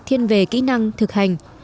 thiên về kỹ năng thực hành